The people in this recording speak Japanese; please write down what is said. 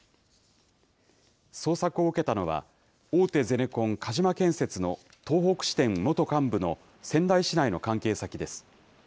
捜索を受けたのは、大手ゼネコン、鹿島建設の東北支店元幹部の仙台市内の関係先です。